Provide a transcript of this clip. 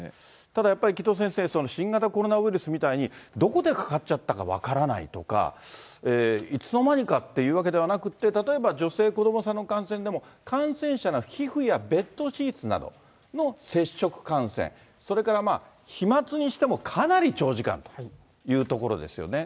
ただやっぱり、城戸先生、新型コロナウイルスみたいに、どこでかかっちゃったか分からないとか、いつのまにかっていうわけではなくって、例えば女性、子どもさんの感染でも、感染者の皮膚やベッドシーツなどの接触感染、それから飛まつにしても、かなり長時間というところですよね。